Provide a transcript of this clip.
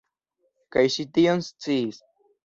Kaj ŝi tion sciis.